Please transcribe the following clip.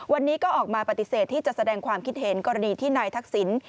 วันนี้ก็ออกมาปฏิเสธที่จะแสดงความคิดเห็นกรณีที่นายทักษิณ